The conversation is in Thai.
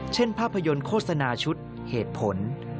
ภาพยนตร์โฆษณาชุดเหตุผล